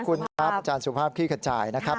ขอบคุณครับอาจารย์สุภาพคลี่ขจายนะครับ